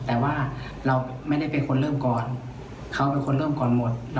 แต่ว่าเราไม่ได้เป็นคนเริ่มก่อนเขาเป็นคนเริ่มก่อนหมด